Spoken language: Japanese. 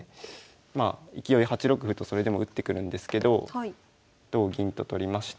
まあ勢い８六歩とそれでも打ってくるんですけど同銀と取りまして。